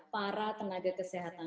para tenaga kesehatan